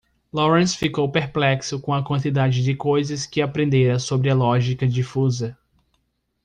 Lawrence ficou perplexo com a quantidade de coisas que aprendera sobre a lógica difusa.